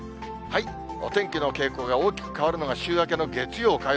お天気の傾向が大きく変わるのが週明けの月曜、火曜。